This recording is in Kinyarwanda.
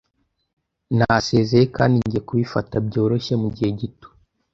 Nasezeye kandi ngiye kubifata byoroshye mugihe gito.